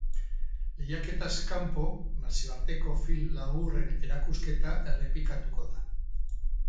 Lehiaketaz kanpo, nazioarteko film laburren erakusketa errepikatuko da.